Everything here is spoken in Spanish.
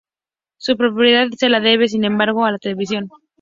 Su popularidad se la debe, sin embargo, a la televisión.